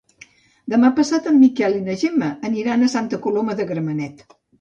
Demà passat en Miquel i na Gemma aniran a Santa Coloma de Gramenet.